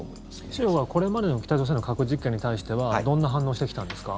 中国は、これまでの北朝鮮の核実験に対してはどんな反応をしてきたんですか？